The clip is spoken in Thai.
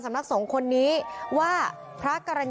สวัสดีครับทุกคน